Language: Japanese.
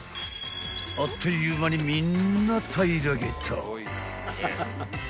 ［あっという間にみんな平らげた］